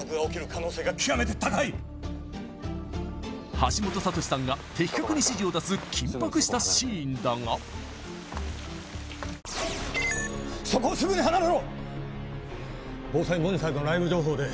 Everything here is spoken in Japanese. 橋本さとしさんが的確に指示を出す緊迫したシーンだがそこをすぐに離れろ！